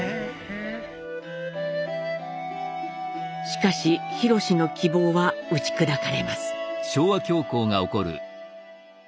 しかし廣の希望は打ち砕かれます。